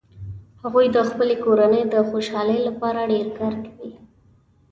هغوي د خپلې کورنۍ د خوشحالۍ لپاره ډیر کار کوي